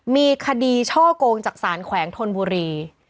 มีคดีช่อกงจากสารแขวงธนบุรี